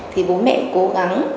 thì bố mẹ cố gắng